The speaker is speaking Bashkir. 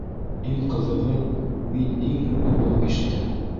- Иң ҡыҙығы - мин иң һуңғы булып ишетәм!